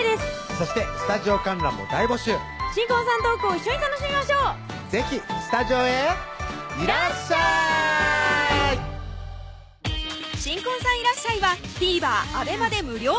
そしてスタジオ観覧も大募集新婚さんのトークを一緒に楽しみましょう是非スタジオへいらっしゃい新婚さんいらっしゃい！はＴＶｅｒ